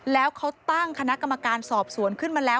แล้วเขาตั้งคณะกรรมการสอบสวนขึ้นมาแล้ว